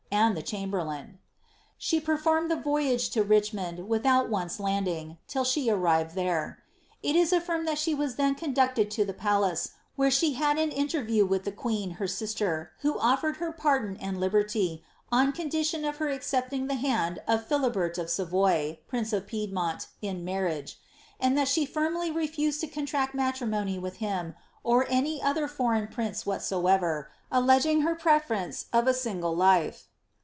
and the chamberlain. She performed the voyage to Richmond without once lauding, till she arrived there.^ It is afhrmed that she was then conducted to the palace, where she bad an interview with the queen, her sister, who oflered her pardon and liberty, on condition of her accepting the hand of Philibert of Savoy, prince of Piedmont, in marriage; and that she firmly refused to contract matrimony with him or any other foreign prince whatsoever, alleging her preference of a single lif'e.